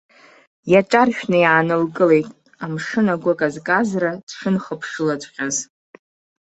Иаҿаршәны иаанылкылеит, амшын агәы казказра дшынхԥшылаҵәҟьаз.